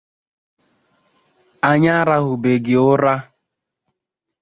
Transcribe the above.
Anyị arahụbeghị ụra